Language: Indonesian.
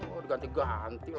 oh diganti ganti lah